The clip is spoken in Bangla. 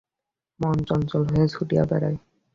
মন চঞ্চল হইয়া ছুটিয়া বেড়ায়।